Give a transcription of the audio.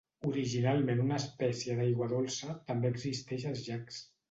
Originalment una espècie d'aigua dolça, també existeix als llacs.